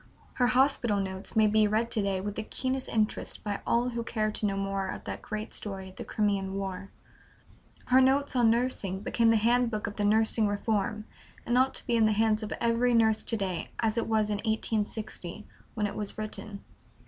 Her "Hospital Notes" may be read to day with the keenest interest by all who care to know more of that great story of the Crimean War; her "Notes on Nursing" became the handbook of the Nursing Reform, and ought to be in the hands of every nurse to day as it was in 1860, when it was written.